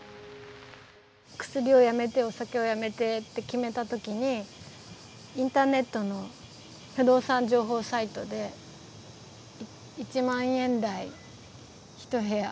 薬をやめてお酒をやめてって決めた時にインターネットの不動産情報サイトで１万円台１部屋